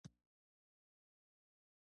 کرز کلی په ډنډ ولسوالۍ کي دی.